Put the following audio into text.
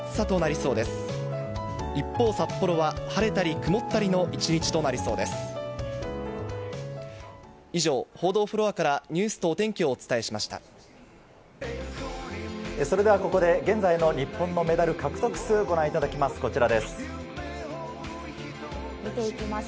それではここで現在の日本のメダル獲得数をご覧いただきます。